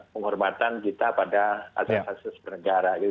penghormatan kita pada asas asas pernegara gitu